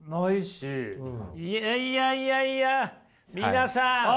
いやいやいやいや皆さん